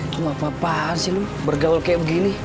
lu apa apaan sih lu bergaul kayak begini